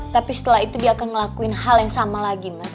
tapi setelah itu dia akan ngelakuin hal yang sama lagi mas